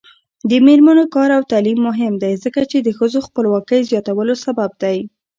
د میرمنو کار او تعلیم مهم دی ځکه چې ښځو خپلواکۍ زیاتولو سبب دی.